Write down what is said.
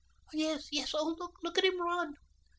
"Yes, yes, oh, look at him run."